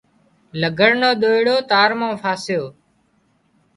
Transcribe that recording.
لگھڙ نو ۮوئيڙو تار مان ڦاسيو